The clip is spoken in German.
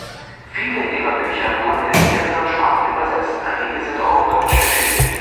Viele ihrer Bücher wurden in mehrere Sprachen übersetzt, einige sind auch auf deutsch erschienen.